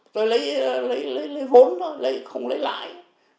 tôi lấy vốn đó không lấy lại